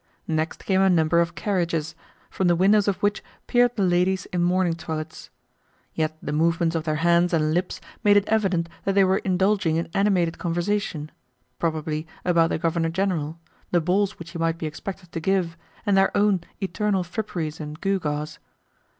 Next came a number of carriages, from the windows of which peered the ladies in mourning toilets. Yet the movements of their hands and lips made it evident that they were indulging in animated conversation probably about the Governor General, the balls which he might be expected to give, and their own eternal fripperies and gewgaws.